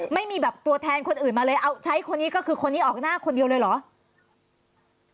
ไม่มีแบบตัวแทนคนอื่นมาเลยเอาใช้คนนี้ก็คือคนนี้ออกหน้าคนเดียวเลยเหรอ